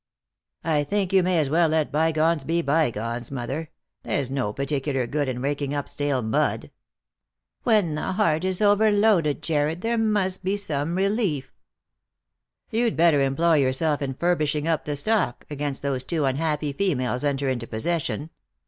" I think you may as well let bygones be bygones, mother. There's no particular good in raking up stale mud." " When the heart is overloaded, Jarred, there must be some relief." " You'd better employ yourself in furbishing up the stock against those two unhappy females enter into possession.